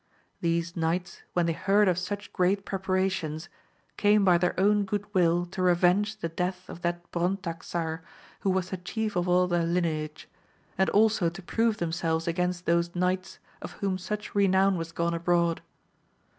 These knights when they heard of such great preparations, came by their own good wiU to revenge the death of that Brontaxar, who was the chief of all their lineage ; and also to prove themselves against those knights of whom such renown was gone abroad.